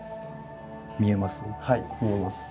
見えます？